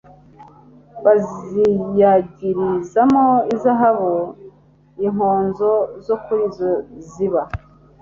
baziyagirizaho izahabu inkonzo zo kuri zo ziba